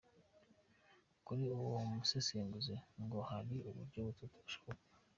Kuri uwo musesenguzi ngo hari uburyo butatu bushoboka: